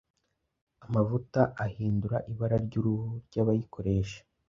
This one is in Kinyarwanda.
amavuta ahindura ibara ry'uruhu rw'abayikoresha